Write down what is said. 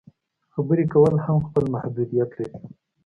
خبرې کول هم خپل محدودیت لري.